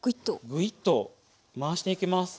グイッと回していきます。